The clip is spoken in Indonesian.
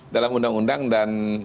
dalam undang undang dan